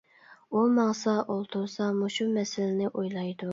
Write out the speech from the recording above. ئۇ ماڭسا ئولتۇرسا مۇشۇ مەسىلىنى ئويلايدۇ.